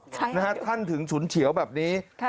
ท่านถึงฉุนเฉียวแบบนี้